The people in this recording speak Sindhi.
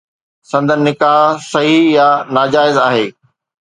سندن نڪاح صحيح يا ناجائز آهي